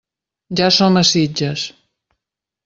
Ja som a Sitges.